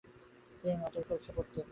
তিনি নঁতের লাইসে পড়াশোনা করেন।